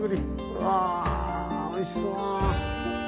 うわおいしそう。